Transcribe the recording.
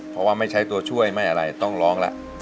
เพราะว่าไม่ใช้ตัวช่วยไม่อะไรต้องร้องแล้ว